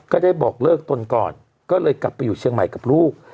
ก็ได้บอกเลิกตนก่อนก็เลยกลับไปอยู่เชียงใหม่กับลูก